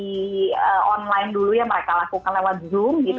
di online dulu ya mereka lakukan lewat zoom gitu